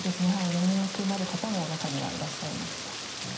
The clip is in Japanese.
眠くなる方も中にはいらっしゃいました。